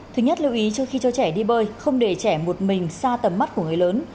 thứ nhất lưu ý trước khi cho trẻ đi bơi không để trẻ một mình xa tầm mắt của người lớn